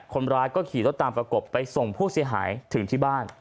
คนร้ายก็ขี่รถตามประกบไปส่งผู้เสียหายถึงที่บ้าน